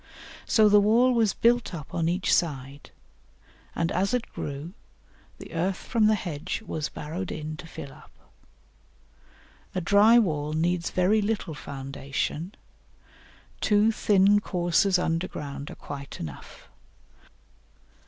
So the wall was built up on each side, and as it grew, the earth from the hedge was barrowed in to fill up. A dry wall needs very little foundation; two thin courses underground are quite enough.